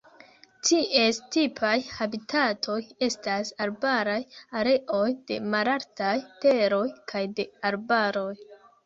Ties tipaj habitatoj estas arbaraj areoj de malaltaj teroj kaj de arbaroj.